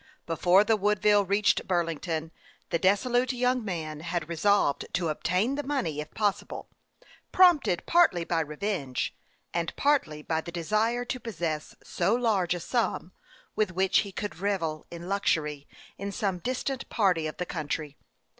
Before the Woodville reached Burlington, the dissolute young man had resolved to obtain the money if possible, prompted partly by revenge, and partly by the desire to possess so large a sum, with which he could revel in luxury in some distant part of the country.